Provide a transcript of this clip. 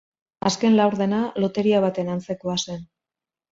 Azken laurdena loteria baten antzekoa zen.